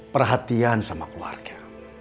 perhatian sama keluarga